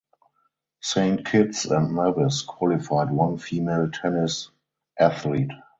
Saint Kitts and Nevis qualified one female tennis athlete.